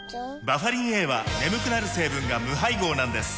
バファリンＡは眠くなる成分が無配合なんです